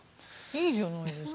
いいじゃないですかね。